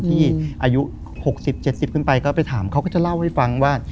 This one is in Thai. อายุ๖๐๗๐ขึ้นไปก็ไปถามเขาก็จะเล่าให้ฟังว่า